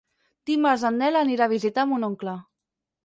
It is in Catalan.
Dimarts en Nel anirà a visitar mon oncle.